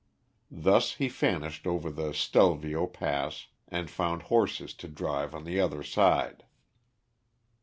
Thus he vanished over the Stelvio pass, and found horses to drive on the other side.